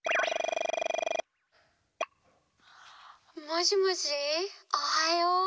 もしもしおはよう。